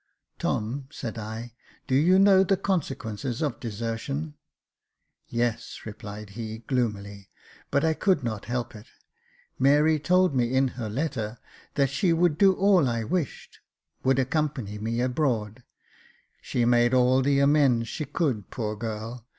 " Tom," said I, "do you know the consequences of desertion ?" "Yes," replied he, gloomily, " but I could not help it j Mary told me, in her letter, that she would do all I wished, would accompany me abroad ; she made all the amends she could, poor girl